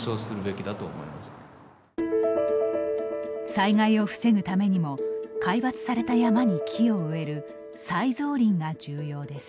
災害を防ぐためにも皆伐された山に木を植える再造林が重要です。